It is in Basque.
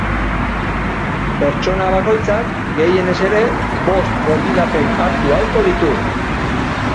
Pertsona bakoitzak gehienez ere bost gonbidapen hartu ahalko ditu.